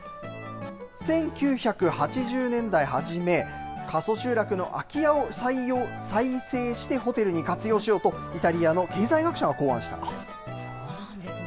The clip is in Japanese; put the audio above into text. １９８０年代初め、過疎集落の空き家を再生してホテルに活用しようとイタリアの経済そうなんですね。